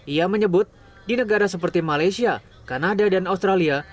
ia menyebut di negara seperti malaysia kanada dan australia